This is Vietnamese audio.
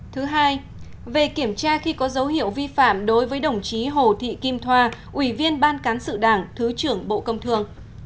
thứ hai về kiểm tra khi có dấu hiệu vi phạm đối với đồng chí hồ thị kim thoa ủy viên ban cán sự đảng thứ trưởng bộ công thương